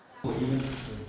chủ tịch nước chia sẻ